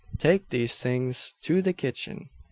Take these things to the kitchen.